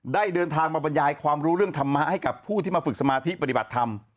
ได้เดินทางมาบรรยายความรู้เรื่องธรรมะให้กับผู้ที่มาฝึกสมาธิปฏิบัติธรรม